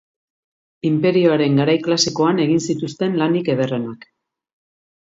Inperioaren garai klasikoan egin zituzten lanik ederrenak.